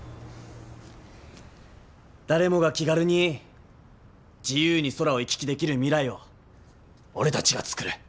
誰もが気軽に自由に空を行き来できる未来を俺たちが作る。